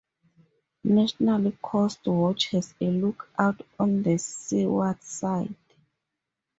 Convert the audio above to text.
National Coastwatch has a look-out on the seaward side.